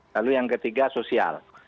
lalu yang ketiga sosial